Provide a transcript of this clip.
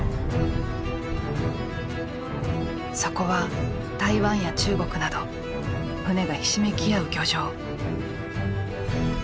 そこは台湾や中国など船がひしめき合う漁場。